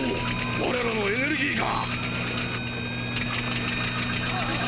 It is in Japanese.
われらのエネルギーが。